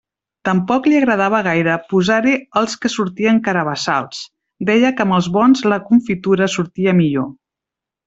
Tampoc li agradava gaire posar-hi els que sortien carabassals: deia que amb els bons la confitura sortia millor.